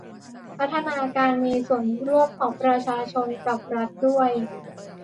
พัฒนาการมีส่วนร่วมของประชาชนกับรัฐด้วย